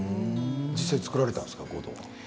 実際、作られたんですか？